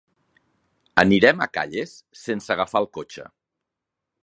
Anirem a Calles sense agafar el cotxe.